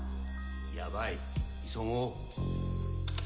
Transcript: ヤバい急ごう。